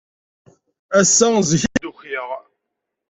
Ass-a, zik ay d-ukiɣ.